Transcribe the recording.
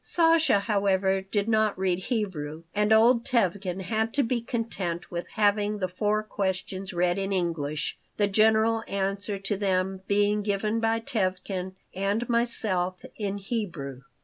Sasha, however, did not read Hebrew, and old Tevkin had to be content with having the Four Questions read in English, the general answer to them being given by Tevkin and myself in Hebrew.